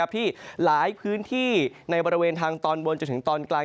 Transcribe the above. ที่หลายพื้นที่ในบริเวณทางตอนบนจนถึงตอนกลาง